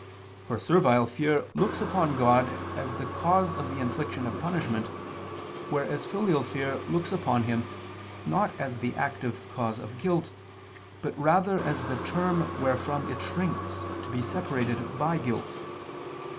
For servile fear looks upon God as the cause of the infliction of punishment, whereas filial fear looks upon Him, not as the active cause of guilt, but rather as the term wherefrom it shrinks to be separated by guilt.